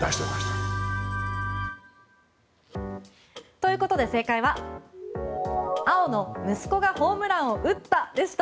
ということで正解は青の息子がホームランを打ったでした。